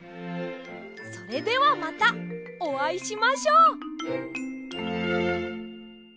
それではまたおあいしましょう！